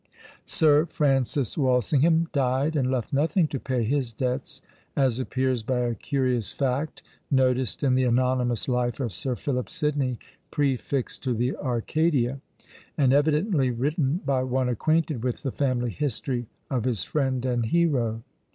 Sir Francis Walsingham died and left nothing to pay his debts, as appears by a curious fact noticed in the anonymous life of Sir Philip Sidney prefixed to the Arcadia, and evidently written by one acquainted with the family history of his friend and hero.